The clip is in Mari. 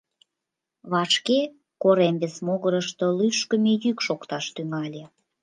Вашке корем вес могырышто лӱшкымӧ йӱк шокташ тӱҥале.